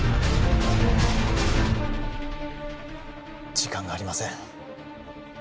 時間がありません